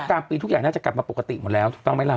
กลางปีทุกอย่างน่าจะกลับมาปกติหมดแล้วถูกต้องไหมล่ะ